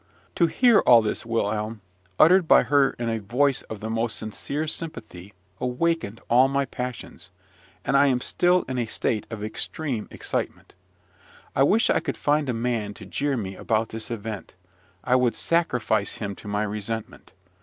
To hear all this, Wilhelm, uttered by her in a voice of the most sincere sympathy, awakened all my passions; and I am still in a state of extreme excitement. I wish I could find a man to jeer me about this event. I would sacrifice him to my resentment.